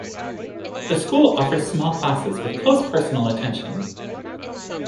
The school offers small classes with close personal attention.